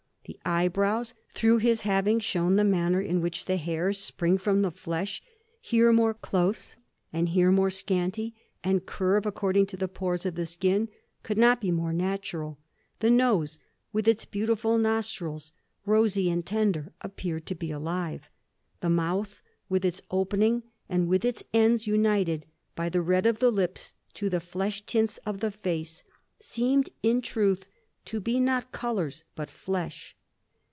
The eyebrows, through his having shown the manner in which the hairs spring from the flesh, here more close and here more scanty, and curve according to the pores of the skin, could not be more natural. The nose, with its beautiful nostrils, rosy and tender, appeared to be alive. The mouth, with its opening, and with its ends united by the red of the lips to the flesh tints of the face, seemed, in truth, to be not colours but flesh.